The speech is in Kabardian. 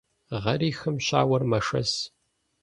Гъэрихым щауэр мэшэс.